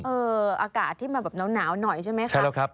เอออากาศที่มันแบบเหนาหน่อยใช่ไหมครับ